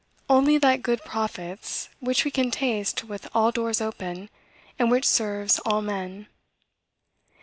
Only that good profits, which we can taste with all doors open, and which serves all men.